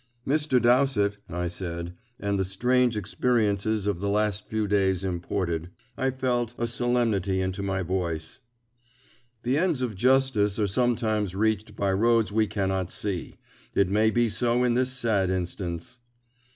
"Mr. Dowsett," I said, and the strange experiences of the last few hours imported, I felt, a solemnity into my voice, "the ends of justice are sometimes reached by roads we cannot see. It may be so in this sad instance."